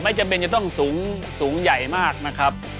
จำเป็นจะต้องสูงใหญ่มากนะครับ